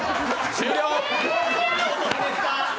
終了。